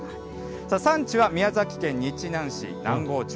産地は宮崎県日南市南郷町。